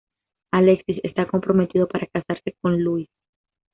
Alexis está comprometido para casarse con Louise.